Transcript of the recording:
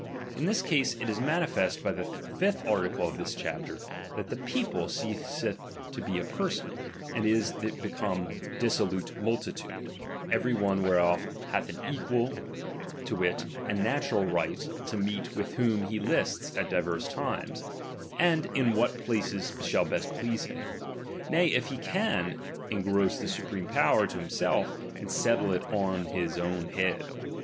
In this case, it is manifest by the fifth article of this chapter, that the people ceaseth to be a perso?iy and is become a dissolute multi tvxde ; every one whereof hath an equal, to wit, a '» s^tnral right to meet with whom he lists at divers tunes, and in what places shall best please him ; i^^y, and if he can, engross the supreme power to t» imself, and settle it on his own head.